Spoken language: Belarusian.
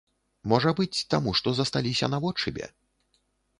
Можа быць, таму, што засталіся наводшыбе?